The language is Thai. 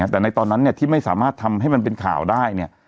แต่ในตอนนั้นเนี่ยที่ไม่สามารถทำให้มันเป็นข่าวได้เนี่ย